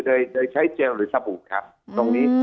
โดยใช้เจลหรือสบู่ครับตรงนี้